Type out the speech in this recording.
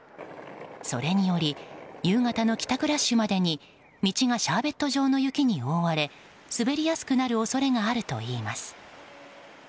それにより夕方の帰宅ラッシュまでに道がシャーベット状の雪に覆われ滑りやすくなる恐れがあるといいます。